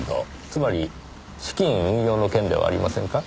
つまり資金運用の件ではありませんか？